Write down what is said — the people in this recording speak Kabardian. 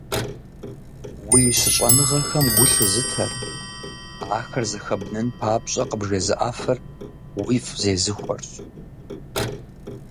Уи щыщӀэныгъэхэм гу лъызытэр, ахэр зэхэбнын папщӀэ къыбжезыӀэфыр, уифӀ зезыхуэрщ.